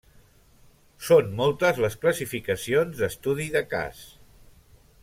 Són moltes les classificacions d'estudi de cas.